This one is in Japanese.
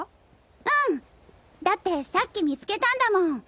うんだってさっき見つけたんだもん。